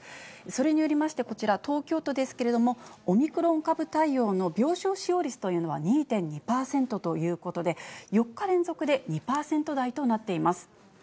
それによりまして、こちら、東京とですけれども、オミクロン株対応の病床使用率というのは２．２％ということで、４日連続で２％台となっています。